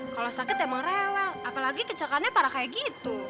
kalau sakit emang rewel apalagi kecilkannya parah kayak gitu